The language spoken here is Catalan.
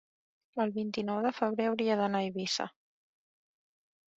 El vint-i-nou de febrer hauria d'anar a Eivissa.